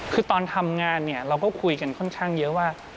คือตอนทำงานเนี่ยเราก็คุยกันค่อนข้างเยอะว่า